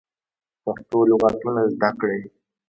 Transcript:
پښتو لغاتونه زده کړی